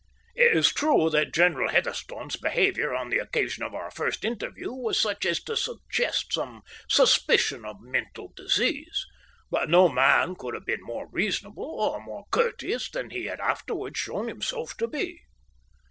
It is true that General Heatherstone's behaviour on the occasion of our first interview was such as to suggest some suspicion of mental disease, but no man could have been more reasonable or more courteous than he had afterwards shown himself to be.